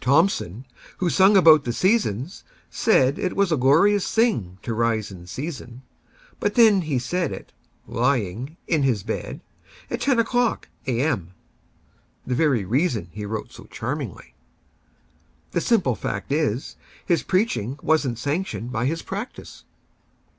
Thomson, who sung about the "Seasons," saidIt was a glorious thing to rise in season; But then he said it—lying—in his bed, At ten o'clock A.M.,—the very reasonHe wrote so charmingly. The simple fact is, His preaching was n't sanctioned by his practice.